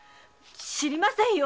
知りませんよ！